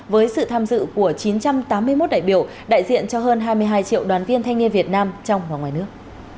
với sự tham dự của chín trăm tám mươi một đại biểu đại diện cho hơn hai mươi hai triệu đoàn viên thanh niên việt nam trong và ngoài nước